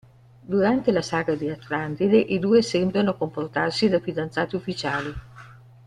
Durante la Saga di Atlantide i due sembrano comportarsi da fidanzati ufficiali.